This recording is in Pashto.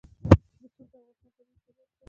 رسوب د افغانستان طبعي ثروت دی.